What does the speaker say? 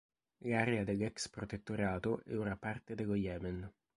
L'area dell'ex protettorato è ora parte dello Yemen.